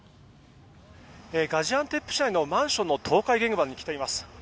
ガジアンテップ州のマンションの倒壊現場に来ています。